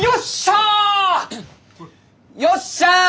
よっしゃ！